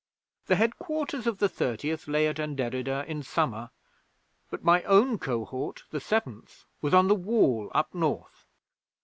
'The headquarters of the Thirtieth lay at Anderida in summer, but my own Cohort, the Seventh, was on the Wall up North.